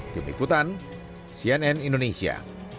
tim liputan cnn indonesia